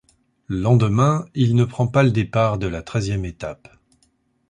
Le lendemain, il ne prend pas le départ de la treizième étape.